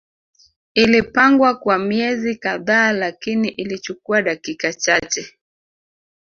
Ilipangwa kwa miezi kadhaa lakini ilichukua dakika chache